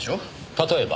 例えば？